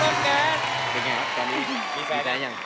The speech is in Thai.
เป็นไงครับตอนนี้มีแฟนแล้วยัง